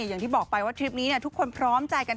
อย่างที่บอกไปว่าทริปนี้ทุกคนพร้อมใจกัน